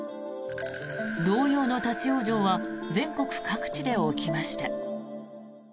同様の立ち往生は全国各地で起きました。